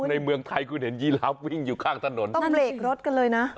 ในเมืองไทยคุณเห็นยีลาฟวิ่งอยู่ข้างถนนต้องเบรกรถกันเลยนะ